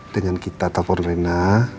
dengan kita telfon rena